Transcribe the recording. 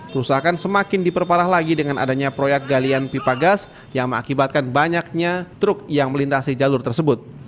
kerusakan semakin diperparah lagi dengan adanya proyek galian pipa gas yang mengakibatkan banyaknya truk yang melintasi jalur tersebut